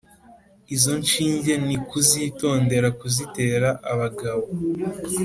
izo nshinge ni kuzitondera kuzitera abagabo